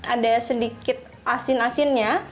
ada sedikit asin asinnya